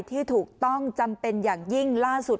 ที่ถูกต้องจำเป็นอย่างยิ่งล่าสุด